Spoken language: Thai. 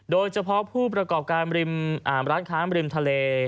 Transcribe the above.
โดยเฉพาะผู้ประกอบการริมร้านค้ามริมทะเล